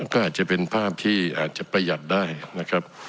ก็อาจจะเป็นภาพที่อาจจะประหยัดได้นะครับ